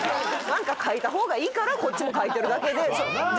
何か書いた方がいいからこっちも書いてるだけで。